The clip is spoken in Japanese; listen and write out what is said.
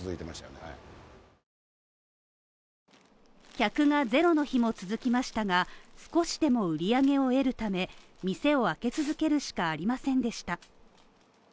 客がゼロの日も続きましたが、少しでも売り上げを得るため、店を開け続けるしかありませんでした。